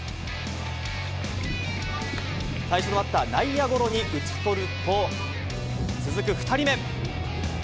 最初のバッター、内野ゴロに打ち取ると、続く２人目。